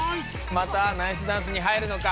またナイスダンスに入るのか？